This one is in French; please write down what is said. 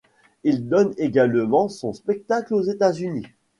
Il donne également son spectacle aux États-Unis.